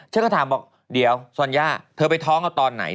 ฉันก็ถามบอกเดี๋ยวซอนย่าเธอไปท้องเอาตอนไหน